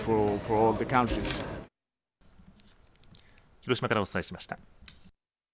広島からお伝えしました。